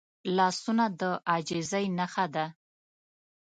لاسونه د عاجزۍ نښه ده